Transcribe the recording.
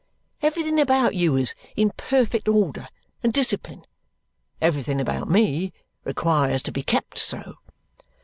Everything about you is in perfect order and discipline; everything about me requires to be kept so.